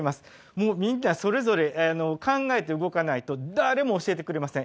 もうみんなそれぞれ考えて動かないと誰も教えてくれません。